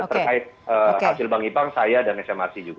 terkait hasil bank ipang saya dan smrc juga